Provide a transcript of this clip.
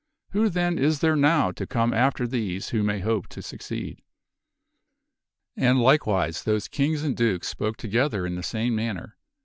Who then is there now to come after these who may hope to succeed?" And, likewise, those kings and dukes spoke together in the same manner.